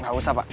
nggak usah pak